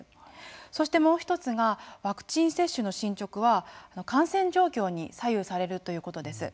そしてもう一つがワクチン接種の進捗は感染状況に左右されるということです。